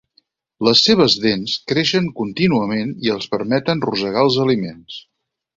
Les seves dents creixen contínuament i els permeten rosegar els aliments.